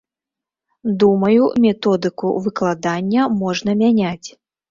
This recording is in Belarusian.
Думаю, методыку выкладання можна мяняць.